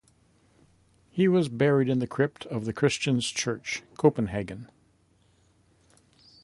He was buried in the crypt of the Christian's Church, Copenhagen.